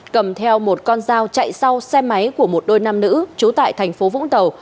cầm theo một con dao chạy sau xe máy của một đôi nam nữ trú tại tp vũng tàu